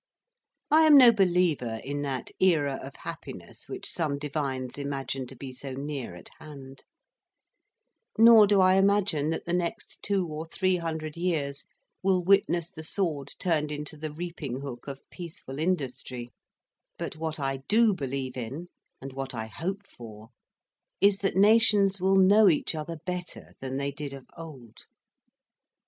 I am no believer in that era of happiness which some divines imagine to be so near at hand; nor do I imagine that the next two or three hundred years will witness the sword turned into the reaping hook of peaceful industry; but what I do believe in, and what I hope for, is that nations will know each other better than they did of old.